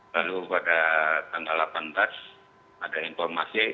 lalu pada tanggal delapan belas ada informasi